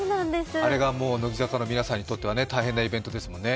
あれが乃木坂の皆さんにとっては大変なイベントですもんね。